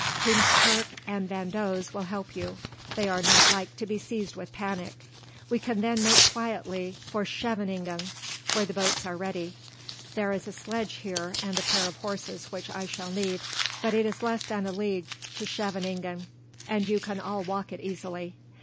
Heemskerk and van Does will help you, they are not like to be seized with panic. We can then make quietly for Scheveningen, where the boats are ready. There is a sledge here and a pair of horses which I shall need; but it is less than a league to Scheveningen, and you can all walk it easily.